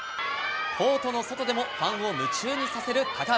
コートの外でもファンを夢中にさせる高橋。